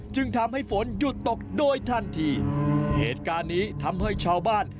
จึงทำให้ฝนหยุดตกโดยทันทีเหตุการณ์นี้ทำให้ชาวบ้าน